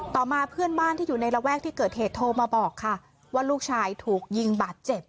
ต่อมาเพื่อนบ้านที่อยู่ในระแวกที่เกิดเหตุโทรมาบอกค่ะว่าลูกชายถูกยิงบาดเจ็บ